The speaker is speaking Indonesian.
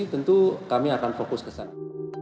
tentu kami akan fokus ke sana